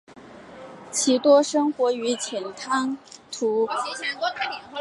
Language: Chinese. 其多生活于浅海滩涂以及河口咸淡水或淡水中。